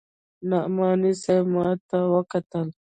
نعماني صاحب ما ته وکتل.